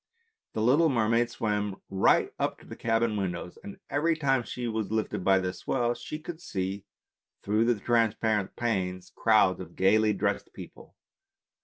The little mermaid swam right up to the cabin windows, and every time she was lifted by the swell she could see through the trans parent panes crowds of gaily dressed people.